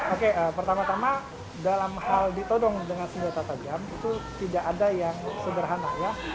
oke pertama tama dalam hal ditodong dengan senjata tajam itu tidak ada yang sederhana ya